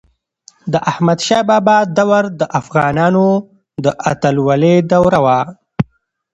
د احمد شاه بابا دور د افغانانو د اتلولی دوره وه.